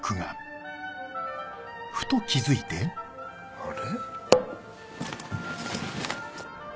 あれ？